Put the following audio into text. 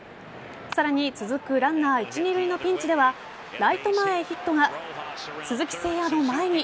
さらに続くランナー一・二塁のピンチではライト前ヒットが鈴木誠也の前に。